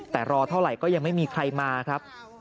แต่รอเท่าไหร่ก็ยังไม่มีใครมาครับ